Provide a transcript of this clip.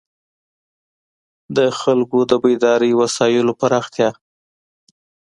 د خلکو د بېدارۍ وسایلو پراختیا.